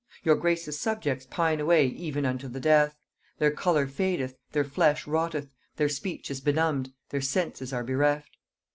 Your grace's subjects pine away even unto the death; their color fadeth, their flesh rotteth, their speech is benumbed, their senses are bereft.